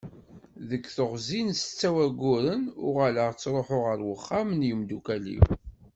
Deg teɣzi n setta n wayyuren, uɣaleɣ ttruḥuɣ ɣer uxxam n yimdukal-iw.